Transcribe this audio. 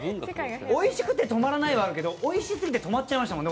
おいしくて止まらないはあるけどおいしすぎて止まっちゃいましたもんね。